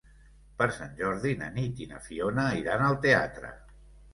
Per Sant Jordi na Nit i na Fiona iran al teatre.